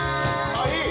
あっいい。